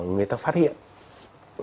người ta phát hiện